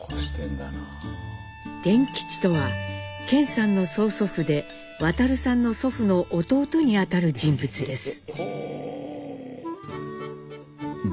傳吉とは顕さんの曽祖父で亘さんの祖父の弟にあたる人物です。